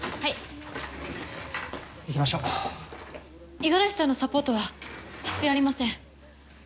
五十嵐さんのサポートは必要ありません。